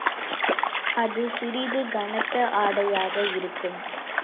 அது சிறிது கனத்த ஆடையாக இருக்கும்.